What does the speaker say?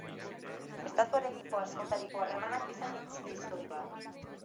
Estatuarekiko askotariko harremanak izan dituzte historian.